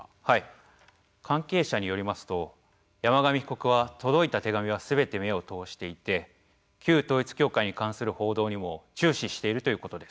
関係者によりますと山上被告は届いた手紙はすべて目を通していて旧統一教会に関する報道にも注視しているということです。